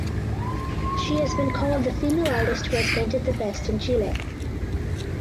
She has been called the "female artist who has painted the best in Chile".